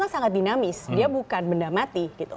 sangat dinamis dia bukan benda mati gitu